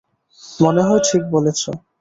মনে হয় ঠিক বলেছো।